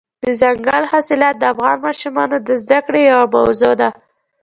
دځنګل حاصلات د افغان ماشومانو د زده کړې یوه موضوع ده.